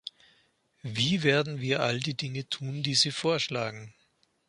Wie werden wir all die Dinge tun, die Sie vorschlagen?